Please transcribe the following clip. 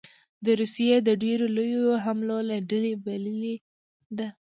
د روسیې د ډېرو لویو حملو له ډلې بللې ده